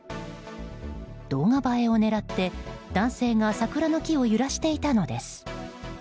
動画映えを狙って、男性が桜の木を揺らしていたのです。